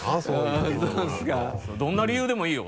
どんな理由でもいいよ